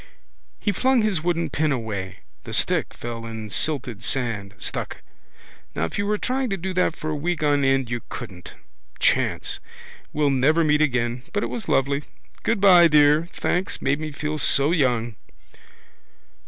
He flung his wooden pen away. The stick fell in silted sand, stuck. Now if you were trying to do that for a week on end you couldn't. Chance. We'll never meet again. But it was lovely. Goodbye, dear. Thanks. Made me feel so young.